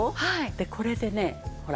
これでねほら。